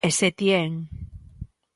E Setién.